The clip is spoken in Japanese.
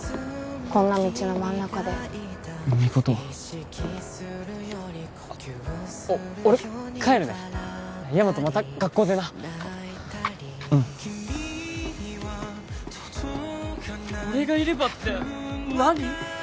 こんな道の真ん中でミコトあ俺帰るねヤマトまた学校でなうん俺がいればって何！？